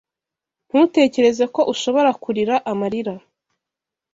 Ntutekereze ko ushobora kurira amarira